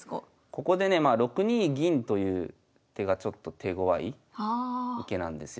ここでねまあ６二銀という手がちょっと手ごわい受けなんですよ。